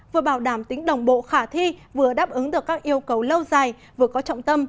vừa bảo đảm tính đồng bộ khả thi vừa đáp ứng được các yêu cầu lâu dài vừa có trọng tâm